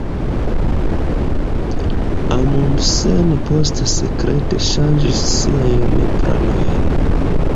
Amundsen poste sekrete ŝanĝis siajn planojn.